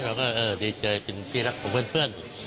เราก็ดีใจจากภูมิที่รักของเพื่อน